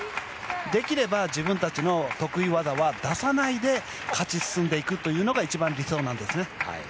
できれば自分たちの得意技は出さないで勝ち進んでいくというのが一番理想なんですね。